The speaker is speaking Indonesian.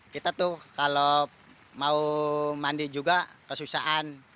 kita tuh kalau mau mandi juga kesusahan